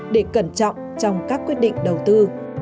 để cẩn trọng trong các quyết định đầu tư